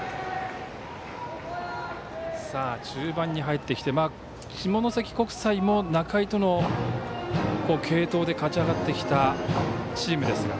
中盤に入ってきて下関国際も仲井との継投で勝ち上がってきたチームですが。